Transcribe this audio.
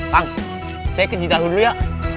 kang saya ke jidaho dulu ya